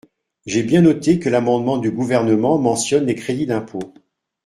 J’ai bien noté que l’amendement du Gouvernement mentionne les crédits d’impôt.